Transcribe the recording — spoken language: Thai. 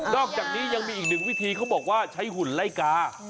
อกจากนี้ยังมีอีกหนึ่งวิธีเขาบอกว่าใช้หุ่นไล่กา